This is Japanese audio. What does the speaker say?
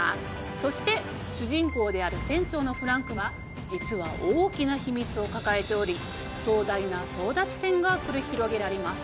そして主人公である船長のフランクは実は大きな秘密を抱えており壮大な争奪戦が繰り広げられます。